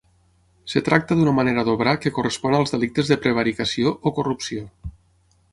Es tracta d'una manera d'obrar que correspon als delictes de prevaricació o corrupció.